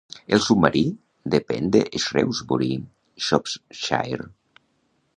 El submarí depèn de Shrewsbury, Shropshire.